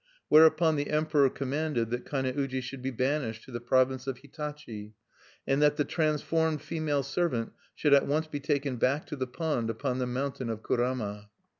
Whereupon the Emperor commanded that Kane uji should be banished to the province of Hitachi, and that the transformed female serpent should at once be taken back to the pond upon the mountain of Kurama.